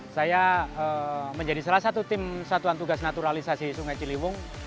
saya menjadi salah satu tim satuan tugas naturalisasi sungai ciliwung